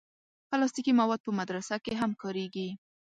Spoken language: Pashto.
پلاستيکي مواد په مدرسه کې هم کارېږي.